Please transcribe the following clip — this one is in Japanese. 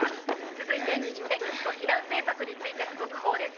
「続いてＮＥＸＴ避難政策についての続報です」。